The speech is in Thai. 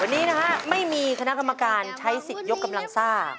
วันนี้นะฮะไม่มีคณะกรรมการใช้สิทธิ์ยกกำลังซ่า